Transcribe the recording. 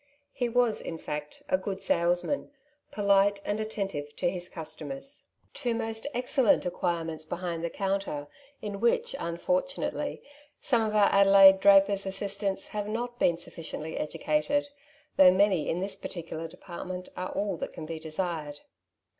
He was, in fact, a good salesman, polite and attentive to his customers; two most excellent acquirements behind the counter, in which, unfortunately, some of our Adelaide drapers' assis tants have not been suflBciently educated, though many in this partictilar department are all that can be desired.